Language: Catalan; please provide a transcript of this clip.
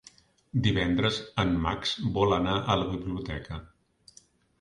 Divendres en Max vol anar a la biblioteca.